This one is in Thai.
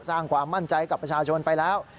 สร้างความมั่นใจกับประชาชนไปแล้ว